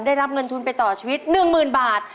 ได้รับเงินทุนไปต่อชีวิต๑๐๐๐บาท